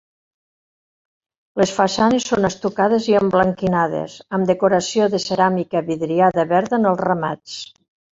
Les façanes són estucades i emblanquinades, amb decoració de ceràmica vidriada verda en els remats.